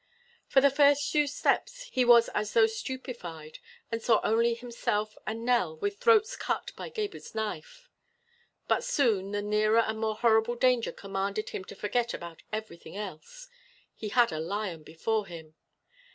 For the first few steps he was as though stupefied and saw only himself and Nell with throats cut by Gebhr's knife. But soon the nearer and more horrible danger commanded him to forget about everything else. He had a lion before him!